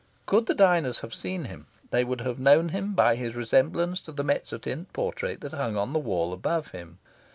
Could the diners have seen him, they would have known him by his resemblance to the mezzotint portrait that hung on the wall above him.